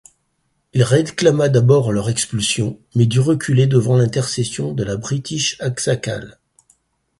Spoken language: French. Il réclama d'abord leur expulsion mais dut reculer devant l'intercession de la British Aqsaqal.